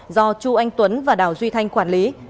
do chu anh tuấn và đào duy thanh quản lý